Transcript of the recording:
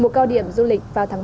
một cao điểm du lịch vào tháng bảy